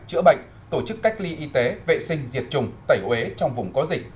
chữa bệnh tổ chức cách ly y tế vệ sinh diệt trùng tẩy uế trong vùng có dịch